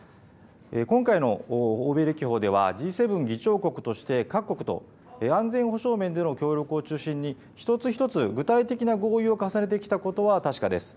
今回の欧米歴訪では、Ｇ７議長国として、各国と安全保障面での協力を中心に、一つ一つ具体的な合意を重ねてきたことは確かです。